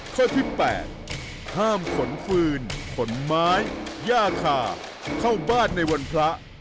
ข้อที่๘ห้ามขนฟืนขนไม้ย่าคาเข้าบ้านในวันพระ